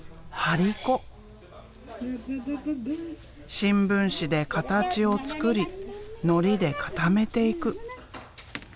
新聞紙で形を作りのりで固めていく。